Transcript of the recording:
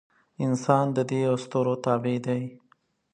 انسان د دې اسطورو تابع دی.